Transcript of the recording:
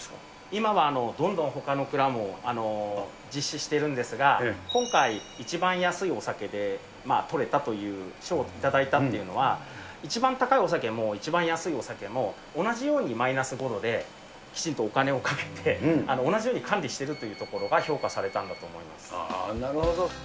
今は、どんどんほかの蔵も実施しているんですが、今回、一番安いお酒で取れたという賞を頂いたというのは、一番高いお酒も一番安いお酒も、同じようにマイナス５度で、きちんとお金をかけて、同じように管理しているというところが評価されたんだと思なるほど。